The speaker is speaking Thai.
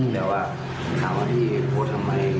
แต่ว่าถามว่าที่โพสต์ทำไม